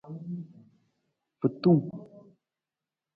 Fintung.